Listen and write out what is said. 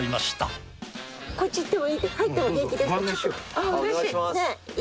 ああうれしい。